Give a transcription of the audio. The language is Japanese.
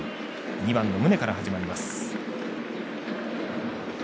２番の宗から始まります。